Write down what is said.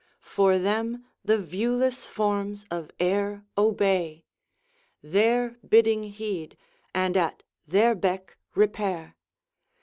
For them the viewless forms of air obey, Their bidding heed, and at their beck repair.